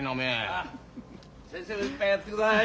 さあ先生も一杯やってください